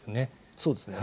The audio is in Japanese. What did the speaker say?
そうですね。